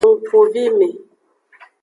Ngkuvime.